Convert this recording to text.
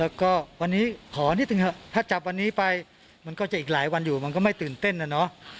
แล้วก็วันนี้ถ้าจับวันนี้ไปมันก็จะอีกหลายวันอยู่มันก็ไม่ตื่นเต้นนะเนอะ